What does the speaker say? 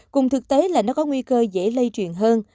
cùng thực tế là nó có nguy cơ dễ lây truyền hơn